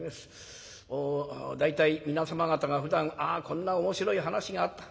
大体皆様方がふだん「あこんな面白い話があった。